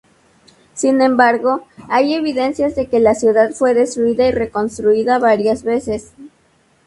Sin embargo hay evidencias de que la ciudad fue destruida y reconstruida varias veces.